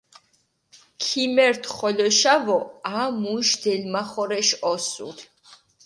ქიმერთ ხოლოშავო, ა, მუში დელმახორეშ ოსური.